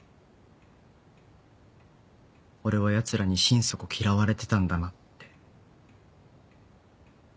俺はヤツらに心底嫌われてたんだなって。